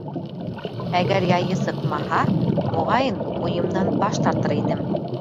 Әгәр яйы сыҡмаһа, моғайын, уйымдан баш тартыр инем.